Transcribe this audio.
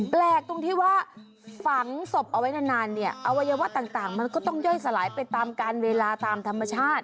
แปลกตรงที่ว่าฝังศพเอาไว้นานเนี่ยอวัยวะต่างมันก็ต้องย่อยสลายไปตามการเวลาตามธรรมชาติ